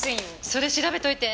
それ調べておいて。